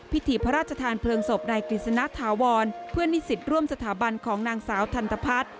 พิธีพระราชทานเพลิงศพนายกฤษณะถาวรเพื่อนนิสิตร่วมสถาบันของนางสาวทันตพัฒน์